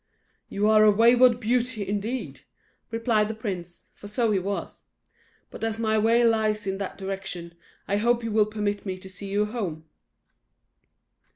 "You are a wayward beauty, indeed!" replied the prince, for so he was; "but as my way lies in that direction, I hope you will permit me to see you home."